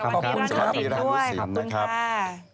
ขอบคุณครับพีรานุสินด้วยขอบคุณค่ะพีรานุสินด้วย